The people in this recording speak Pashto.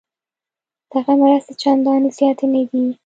دغه مرستې چندانې زیاتې نه دي.